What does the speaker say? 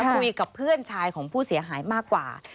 คุยกับเพื่อนชายของผู้เสียหายมากกว่า